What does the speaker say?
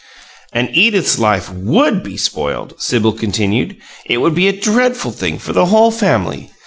"And Edith's life WOULD be spoiled," Sibyl continued. "It would be a dreadful thing for the whole family.